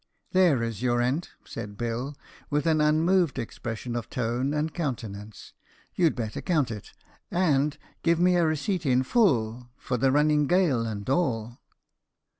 "There is your rent," said Bill, with an unmoved expression of tone and countenance; "you'd better count it, and give me a receipt in full for the running gale and all."